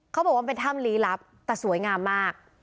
เขาบอกว่ามันเป็นถ้ำลี้ลับแต่สวยงามมาก